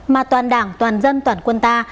mà toàn đảng toàn dân toàn quân ta